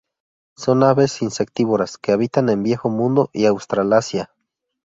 Son aves insectívoras que habitan en Viejo Mundo y Australasia.